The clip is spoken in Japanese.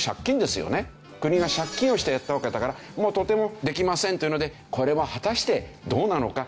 国が借金をしてやったわけだからもうとてもできませんというのでこれも果たしてどうなのか。